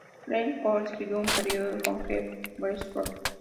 Keeler co-escribió un periódico con Jeff Westbrook.